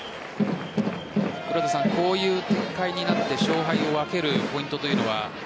こういう展開になって勝敗を分けるポイントというのは。